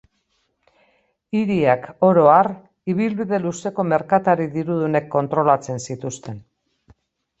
Hiriak, oro har, ibilbide luzeko merkatari dirudunek kontrolatzen zituzten.